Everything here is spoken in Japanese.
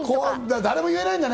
誰も言えないんだね。